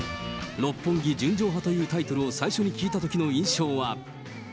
六本木純情派というタイトルを最初に聞いたときの印象は。